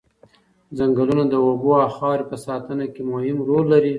ځنګلونه د اوبو او خاورې په ساتنه کې مهم رول لري.